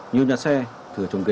nhiều nhà xe thừa trồng ghế